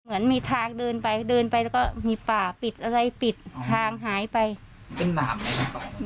เหมือนมีทางเดินไปเดินไปแล้วก็มีป่าปิดอะไรปิดทางหายไปเป็นป่าไหมครับ